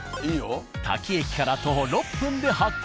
滝駅から徒歩６分で発見。